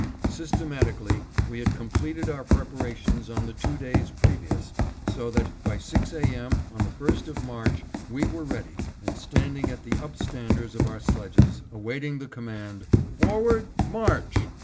Systematically we had completed our preparations on the two days previous, so that, by six A. M. of the 1st of March, we were ready and standing at the upstanders of our sledges, awaiting the command "Forward! March!"